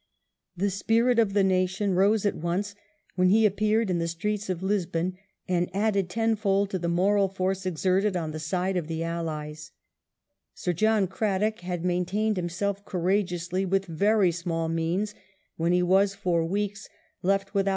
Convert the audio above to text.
The spirit of the nation rose at once when he appeared in the streets of Lisbon, and added tenfold to the moral force exerted on the side of the Allies. Sir John Cradock had maintained himself courageously with very small means when he was for weeks left without VI HE TAKES COMMAND IN PORTUGAL 109 ■.